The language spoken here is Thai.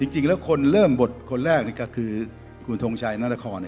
จริงแล้วคนเริ่มปฏิการบทคนแรกก็คือคุณทงชายนั่นทระคร